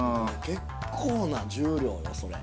◆結構な重量よ、それ。